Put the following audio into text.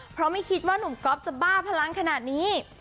เพราะไม่คิดว่าหนุ่มก๊อฟจะบ้าพลังขนาดนี้